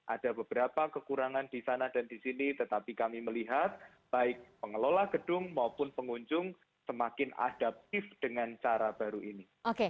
ada beberapa kekurangan di sana dan di sini tetapi kami melihat baik pengelola gedung maupun pengunjung semakin adaptif dengan cara baru ini